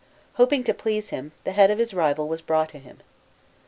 Hoping to please him, the head of his rival was brought him.